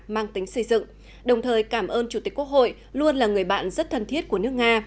mang tính xây dựng đồng thời cảm ơn chủ tịch quốc hội luôn là người bạn rất thân thiết của nước nga